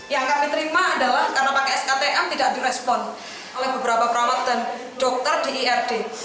yang kami terima adalah karena pakai sktm tidak direspon oleh beberapa perawat dan dokter di ird